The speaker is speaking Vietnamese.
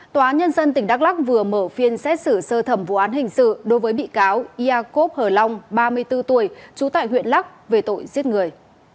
tòa nhân dân tỉnh đắk lắc vừa mở phiên xét xử sơ thẩm vụ án hình sự đối với bị cáo iakov hờ long ba mươi bốn tuổi trú tại huyện lắc về tội giết người